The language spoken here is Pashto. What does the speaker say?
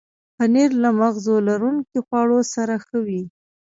پنېر له مغز لرونکو خواړو سره ښه وي.